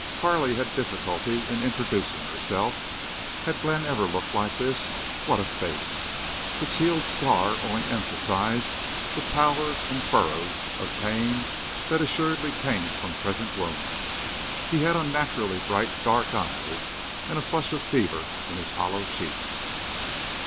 Carley had difficulty in introducing herself. Had Glenn ever looked like this? What a face! It's healed scar only emphasized the pallor and furrows of pain that assuredly came from present wounds. He had unnaturally bright dark eyes, and a flush of fever in his hollow cheeks.